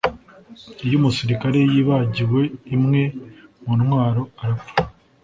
Iyo umusirikare yibagiwe imwe mu ntwaro arapfa